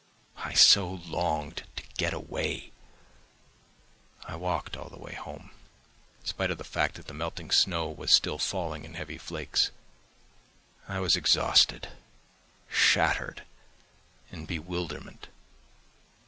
I so longed to get away ... I walked all the way home, in spite of the fact that the melting snow was still falling in heavy flakes. I was exhausted, shattered, in bewilderment.